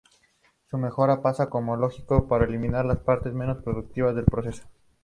Su mejora pasa, como es lógico, por eliminar las partes menos productivas del proceso.